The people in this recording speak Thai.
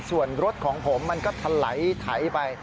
ส่วนรถของผมมันก็ถลายไถไป